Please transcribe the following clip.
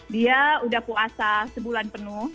dia udah puasa sebulan penuh